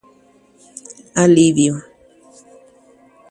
Py'avevúi.